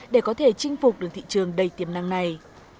để có thể chinh phục được thị trường đầy tiềm năng này